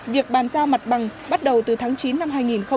việc bàn giao mặt bằng bắt đầu từ tháng chín năm hai nghìn một mươi chín